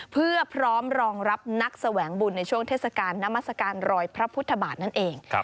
เพื่อพร้อมรองรับนักแสวงบุญในช่วงเทศกาลนามัศกาลรอยพระพุทธบาทนั่นเอง